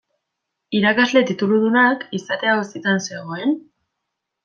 Irakasle tituludunak izatea auzitan zegoen?